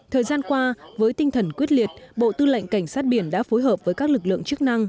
thời gian qua với tinh thần quyết liệt bộ tư lệnh cảnh sát biển đã phối hợp với các lực lượng chức năng